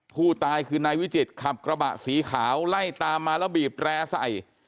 ผู้ตายคือนายวิจิตรขับกระบะสีขาวไล่ตามมาแล้วบีบแร่ใส่